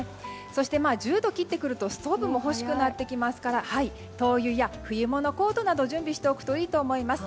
そして１０度を切ってくるとストーブも欲しくなりますから灯油や冬物コート準備しておくといいと思います。